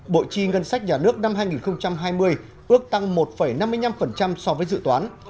bộ chi ngân sách nhà nước năm hai nghìn hai mươi ước tăng một năm mươi năm so với dự toán